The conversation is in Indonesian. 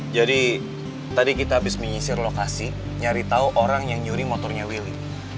jadi tadi kita habis menyisir lokasi nyari tahu orang yang nyuri motornya willy